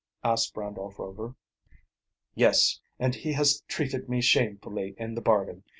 asked Randolph Rover. "Yes; and he has treated me shamefully in the bargain.